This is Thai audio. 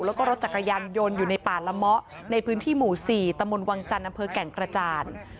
แล้วก็รถจักรยานยนต์อยู่ในป่าละเมาะในพื้นที่หมู่๔ตมวังจันทร์อำเภอแก่งกระจาน